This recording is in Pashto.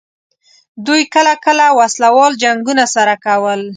دوی کله کله وسله وال جنګونه سره کول.